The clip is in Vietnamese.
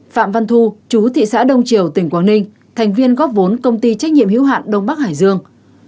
phạm văn thu chú thị xã đông triều tỉnh quảng ninh thành viên góp vốn công ty trách nhiệm hiếu hạn đông bắc hải dương